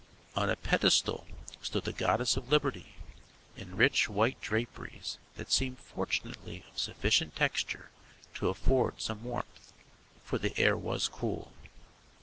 On a pedestal stood the Goddess of Liberty, in rich white draperies that seemed fortunately of sufficient texture to afford some warmth, for the air was cool.